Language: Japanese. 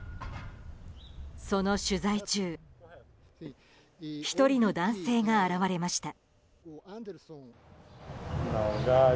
その取材中１人の男性が現れました。